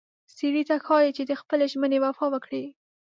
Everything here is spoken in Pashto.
سړي ته ښایي چې د خپلې ژمنې وفا وکړي.